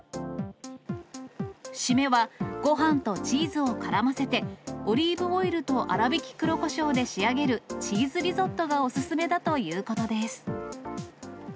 シメはごはんとチーズをからませて、オリーブオイルと粗びき黒こしょうで仕上げる、チーズリゾットがお勧めだということです。